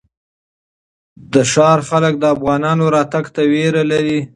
د ښار خلک د افغانانو راتګ ته وېره لري.